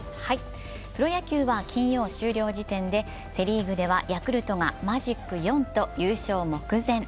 プロ野球は金曜終了時点で、セ・リーグではヤクルトがマジック４と優勝目前。